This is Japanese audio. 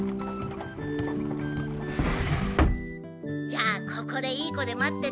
じゃあここでいい子で待っててね。